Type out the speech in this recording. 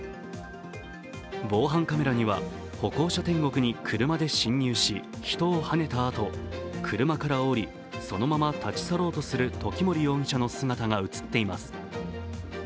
防犯カメラには歩行者天国に車で侵入し人をはねたあと、車から降りそのまま立ち去ろうとする時森容疑者の姿が映っています。